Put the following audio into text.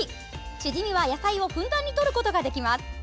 チヂミは野菜をふんだんにとることができます。